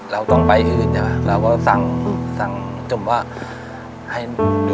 เราก็ต้องไปให้ฟันและตรงนั้นสั่ง